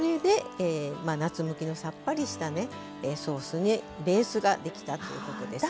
夏向きのさっぱりしたソースのベースができたということです。